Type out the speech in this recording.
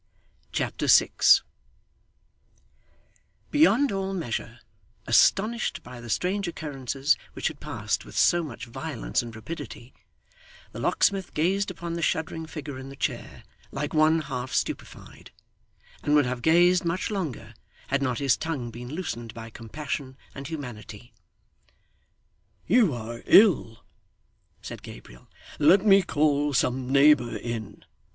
Chapter 6 Beyond all measure astonished by the strange occurrences which had passed with so much violence and rapidity, the locksmith gazed upon the shuddering figure in the chair like one half stupefied, and would have gazed much longer, had not his tongue been loosened by compassion and humanity. 'You are ill,' said Gabriel. 'Let me call some neighbour in.